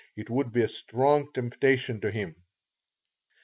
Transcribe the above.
It would be a strong temptation to him.